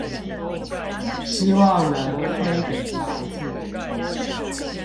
希望能黑底白字